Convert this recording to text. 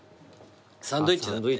サンドイッチだって。